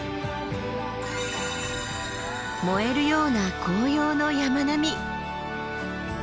燃えるような紅葉の山並み。